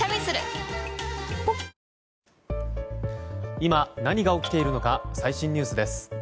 今何が起きているのか最新ニュースです。